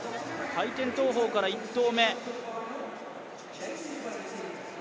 回転投法から１投目。